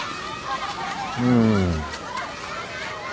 うん。